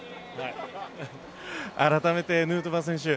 改めてヌートバー選手